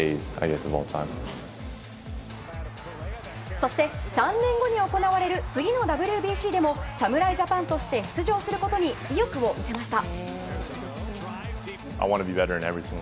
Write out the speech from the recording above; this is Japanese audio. そして、３年後に行われる次のＷＢＣでも侍ジャパンとして出場することに意欲を見せました。